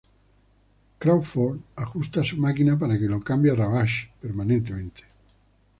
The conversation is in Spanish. Crawford ajusta su máquina para que lo cambie a Ravage permanentemente.